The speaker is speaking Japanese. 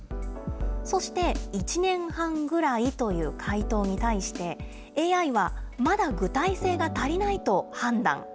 そして１年半ぐらいという回答に対して、ＡＩは、まだ具体性が足りないと判断。